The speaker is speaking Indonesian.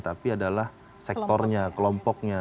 tapi adalah sektornya kelompoknya